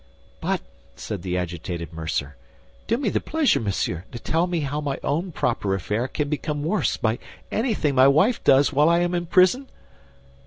"But," said the agitated mercer, "do me the pleasure, monsieur, to tell me how my own proper affair can become worse by anything my wife does while I am in prison?"